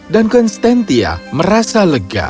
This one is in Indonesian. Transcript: dan konstantia merasa lega